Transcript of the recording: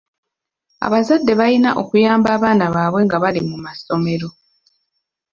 Abazadde balina okuyamba abaana baabwe nga bali mu ssomero.